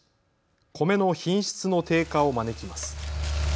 米の品質の低下を招きます。